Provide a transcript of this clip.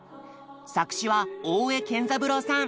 作詞は大江健三郎さん。